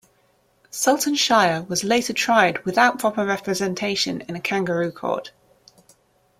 Sultan Shire was later tried without proper representation in a kangaroo court.